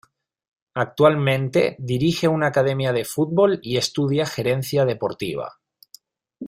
Actualmente dirige una academia de fútbol y estudia gerencia deportiva.